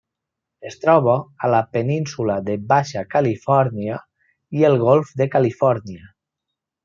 Es troba a la Península de Baixa Califòrnia i el Golf de Califòrnia.